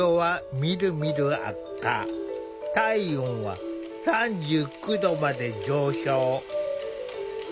体温は３９度まで上昇。